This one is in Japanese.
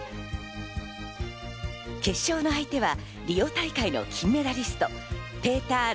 決勝の相手はリオ大会の金メダリスト。